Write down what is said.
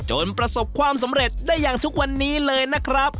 ประสบความสำเร็จได้อย่างทุกวันนี้เลยนะครับ